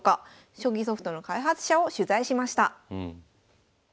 将棋ソフトの開発者を取材しました。